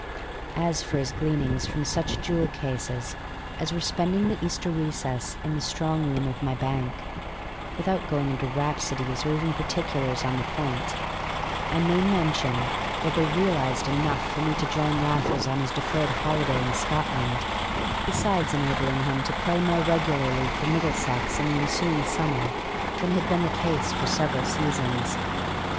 As for his gleanings from such jewel cases as were spending the Easter recess in the strong room of my bank, without going into rhapsodies or even particulars on the point, I may mention that they realized enough for me to join Raffles on his deferred holiday in Scotland, besides enabling him to play more regularly for Middlesex in the ensuing summer than had been the case for several seasons.